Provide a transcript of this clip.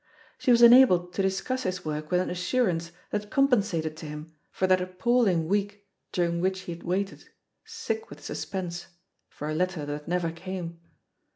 She was enabled to discuss his work with an assur ance that compensated to him for that appalling week during which he had waited, sick with sus pense, for a letter that never came.